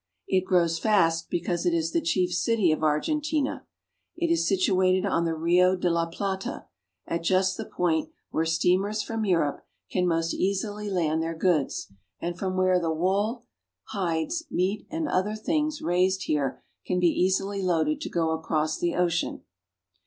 It grows fast because it is the chief city of Argentina. It is situated on the Rio de la Plata, at just the point where steamers from Europe can BUENOS AIRES. 193 most easily land their goods, and from where the wool, hides, meat, and other things raised here can be easily loaded to go across the ocean.